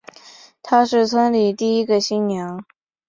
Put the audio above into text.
她是村里第一个新娘